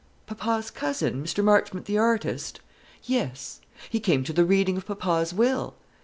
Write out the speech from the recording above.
"Papa's cousin Mr Marchmont the artist?" "Yes." "He came to the reading of papa's will."